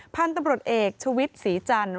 พันธุ์ตำรวจเอกชวิตศรีจันทร์